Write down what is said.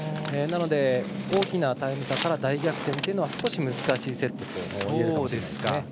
なので、大きなタイム差から大逆転というのは少し、難しいセットだと思います。